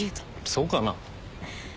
そうかな？